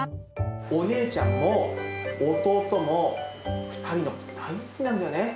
お姉ちゃんも弟も、２人のこと大好きなんだよね。